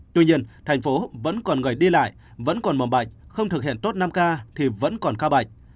tuy nhiên thành phố vẫn còn người đi lại vẫn còn mầm bệnh không thực hiện tốt năm k thì vẫn còn ca bạch